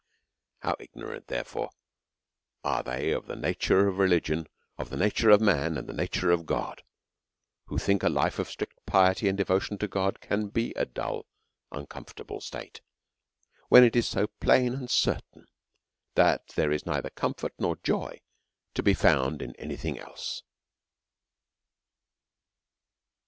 How ignorant, therefore, are they of the nature of religion, of the nature of man, and the nature of God, who think a life of stiict piety and devotion to God, to be a dull and uncomfortable state, when it is so plain and certain that there is neither comfort nor joy»tO be found in any thing else